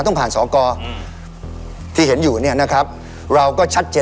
ต้องผ่านสอกรอืมที่เห็นอยู่เนี่ยนะครับเราก็ชัดเจน